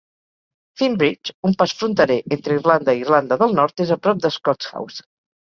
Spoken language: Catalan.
Finn Bridge, un pas fronterer entre Irlanda i Irlanda del Nord, és a prop de Scotshouse.